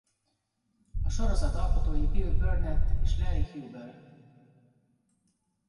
A sorozat alkotói Bill Burnett és Larry Huber.